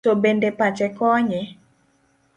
To bende pache konye?